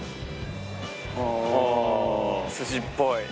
あぁ寿司っぽい。